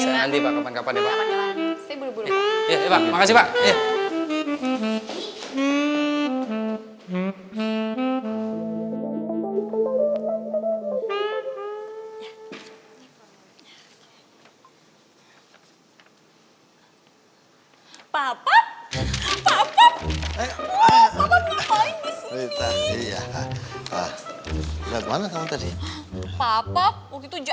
nanti pak kapan kapan ya pak ya pak terima kasih pak